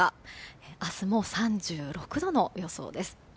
明日も３６度の予想です。